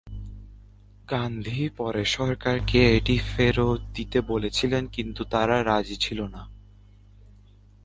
গান্ধী পরে সরকারকে এটি ফেরত দিতে বলেছিলেন কিন্তু তারা রাজি ছিল না।